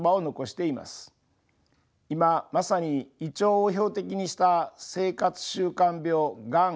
今まさに胃腸を標的にした生活習慣病がん